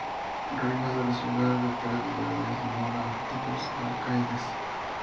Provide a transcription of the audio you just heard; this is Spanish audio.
Ruinas de la ciudad de perdida de Zamora de los Alcaides.